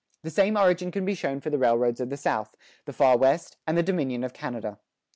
The same origin can be shown for the railroads of the South, the Far West, and the Dominion of Canada.